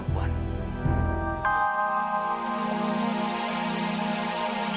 cuman berulang ulang tinggi diri juga